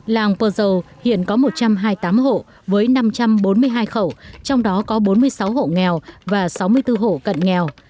làng pờ dầu hiện có một trăm hai mươi tám hộ với năm trăm bốn mươi hai khẩu trong đó có bốn mươi sáu hộ nghèo và sáu mươi bốn hộ cận nghèo